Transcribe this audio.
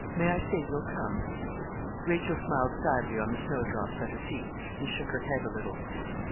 May I say you'll come?' Rachel smiled sadly on the snow drops at her feet, and shook her head a little.